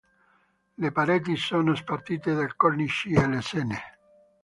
Le pareti sono spartite da cornici e lesene.